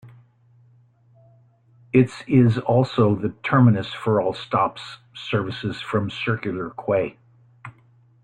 Its is also the terminus for all stops services from Circular Quay.